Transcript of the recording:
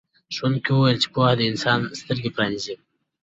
ښوونکي وویل چې پوهه د انسان سترګې پرانیزي.